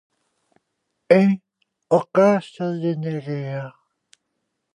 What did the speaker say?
É o caso de Nerea.